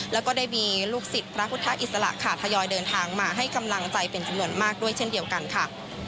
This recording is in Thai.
แล้วก็ได้มีลูกศิษย์พระพุทธอิสระค่ะทยอยเดินทางมาให้กำลังใจเป็นจำนวนมากด้วยเช่นเดียวกันค่ะ